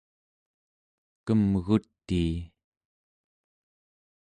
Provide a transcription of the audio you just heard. kemgutii